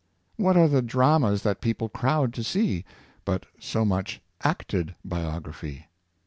^ What are the dramas that people crowd to see, but so much acted biography?